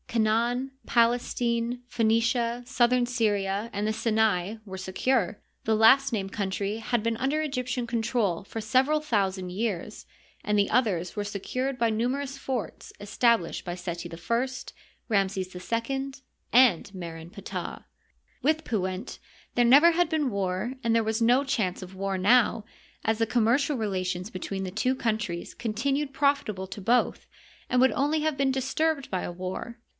Canaan, Palestine, Phoe nicia, southern Syria, and the Sinai, were secure. The last named country had been under Egyptian control for several thousand years, and the others were secured by numerous forts established by Seti I, Ramses II, and Mer en Ptah. With Pewent there never had been war and there was no chance of war now, as the commercial relations between the two countries continued profitable to both, and would only have been disturbed by a war.